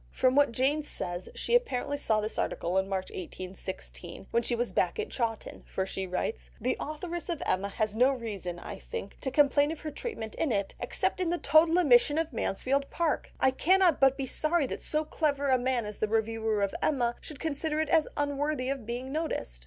From what Jane says she apparently saw this article in March 1816 when she was back at Chawton; for she writes: "The authoress of Emma has no reason, I think, to complain of her treatment in it, except in the total omission of Mansfield Park; I cannot but be sorry that so clever a man as the reviewer of Emma should consider it as unworthy of being noticed."